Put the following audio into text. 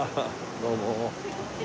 どうも。